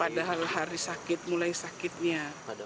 padahal hari sakit mulai sakitnya